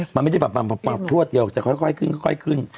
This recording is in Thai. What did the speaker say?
มันไม่ได้แบบปรับพลวดเดียวจะค่อยขึ้นค่อยขึ้น